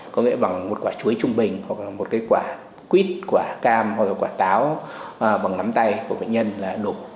có nghĩa bằng một quả chuối trung bình hoặc là một cái quả quýt quả cam hoặc là quả táo bằng nắm tay của bệnh nhân là đủ